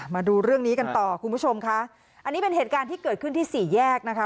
มาดูเรื่องนี้กันต่อคุณผู้ชมค่ะอันนี้เป็นเหตุการณ์ที่เกิดขึ้นที่สี่แยกนะคะ